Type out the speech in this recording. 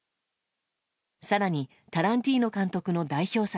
更にタランティーノ監督の代表作